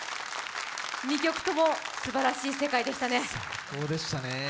２曲ともすばらしい世界でしたね。